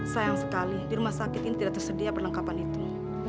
sayang sekali di rumah sakit ini tidak tersedia perlengkapan itu